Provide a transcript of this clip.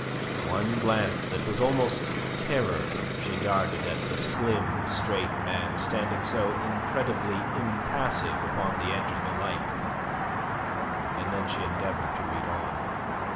One glance that was almost terror she darted at the slim, straight man standing so incredibly impassive upon the edge of the light, and then she endeavoured to read on.